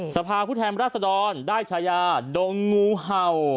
ศภาพุทธแห่งราษฎรได้ฉายาดงงูเห่า